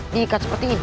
diikat seperti ini